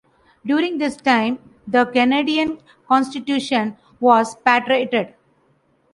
During this time, the Canadian Constitution was patriated.